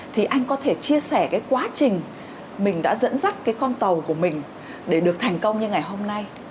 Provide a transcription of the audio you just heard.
thì anh có thể chia sẻ cái quá trình mình đã dẫn dắt cái con tàu của mình để được thành công như ngày hôm nay